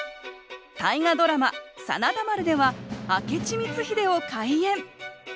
大河ドラマ「真田丸」では明智光秀を怪演。